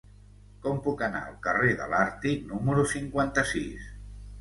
Com puc anar al carrer de l'Àrtic número cinquanta-sis?